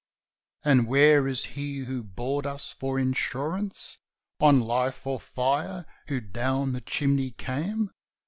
"And where is he who bored us for insurance On life or fire, who down the chimney came?"